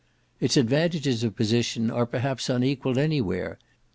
Its advantages of position are, perhaps, unequalled any where.